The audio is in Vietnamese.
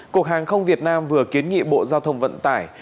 cục hàng không việt nam vừa kiến nghị bộ giao thông vận tải